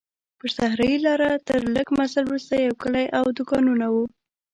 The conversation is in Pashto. پر صحرایي لاره تر لږ مزل وروسته یو کلی او دوکانونه وو.